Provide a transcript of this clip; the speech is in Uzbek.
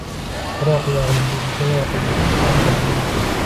biroq ularni suiiste’mol qilishning ham keragi yo‘q.